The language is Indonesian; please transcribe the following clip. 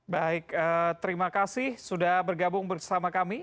baik terima kasih sudah bergabung bersama kami